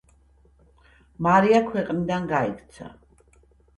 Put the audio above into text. მარია ქვეყნიდან გაიქცა.